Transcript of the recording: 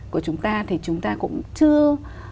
của chúng ta thì chúng ta cũng chưa